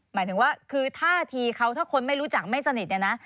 หมายถึงว่าคือท่าทีเขาถ้าคนไม่รู้จักไม่สนิทเนี่ยนะ